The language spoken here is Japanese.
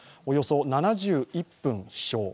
およそ７１分飛翔